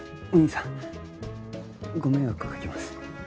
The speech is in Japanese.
お義兄さんご迷惑かけます。